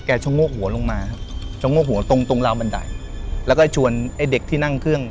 ชะโงกหัวลงมาครับชะโงกหัวตรงตรงราวบันไดแล้วก็ชวนไอ้เด็กที่นั่งเครื่อง